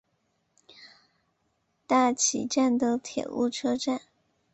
大崎站的铁路车站。